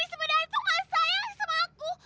mami sebenarnya tuh gak sayang sama aku